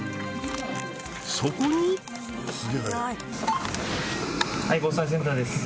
そこにはい防災センターです